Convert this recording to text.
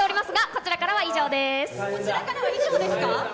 こちらからは以上ですか？